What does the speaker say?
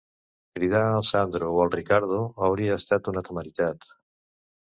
Cridar el Sandro o el Riccardo hauria estat una temeritat...